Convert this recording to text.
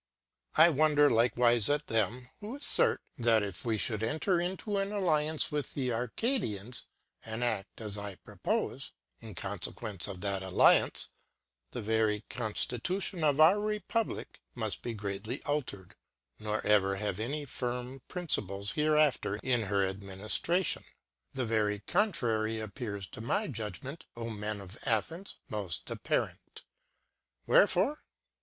I WONDER likewife at them, who aflert, that if we fhould enter into an Alliance with the Arcadians, and ad:, as I pro pofe, in Confequence of that Alliance, the very Conftitution 8 of DEMOSTHENES. 35 of our Republic muft be greatly altered, nor ever have any firm Principles hereafter in her Adminift ration. The very con trary appears to my Judgement, O Men of Athens, moft ap parent. Wherefore